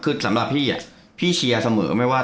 คือสำหรับพี่พี่เชียร์เสมอไหมว่า